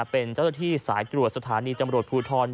เป็นเจ้าที่สายกรัวสถานีจำรวจภูทร